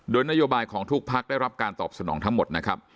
โดยนโยบายของทุกพักได้รับการตอบสนองทั้งหมดนะครับ